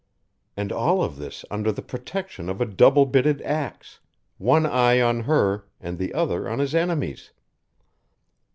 And all of this under the protection of a double bitted axe, one eye on her and the other on his enemies.